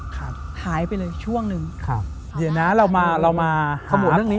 หายไปเลยช่วงหนึ่งครับเดี๋ยวนะเรามาเรามาสมุดเรื่องนี้